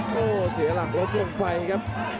โอ้โหเสียหลังรถเครื่องไฟครับ